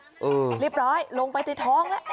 อืมเรียบร้อยลงไปในท้องแล้ว